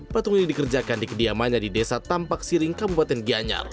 patung ini dikerjakan di kediamannya di desa tampak siring kabupaten gianyar